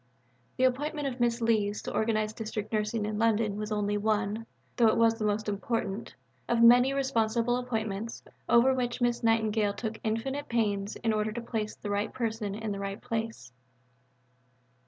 The appointment of Miss Lees to organize District Nursing in London was only one, though it was the most important, of many responsible appointments, over which Miss Nightingale took infinite pains in order to place the right person in the right place.